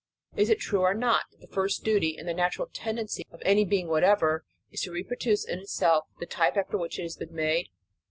Is it true or not, that the first duty, and the natural tendency of any being whatever, is to reproduce in itself the type after which it has been made?